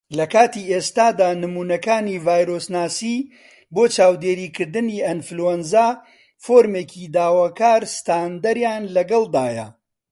لە کاتی ئێستادا، نمونەکانی ڤایرۆسناسی بۆ چاودێریکردنی ئەنفلوەنزا فۆرمێکی داواکار ستاندەریان لەگەڵدایە.